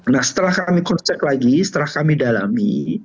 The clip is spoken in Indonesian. nah setelah kami cross check lagi setelah kami dalami